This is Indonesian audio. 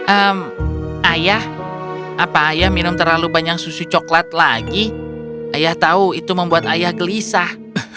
eh ayah apa ayah minum terlalu banyak susu coklat lagi ayah tahu itu membuat ayah gelisah